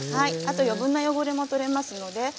あと余分な汚れも取れますので。